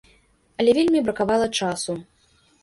Але вельмі бракавала часу!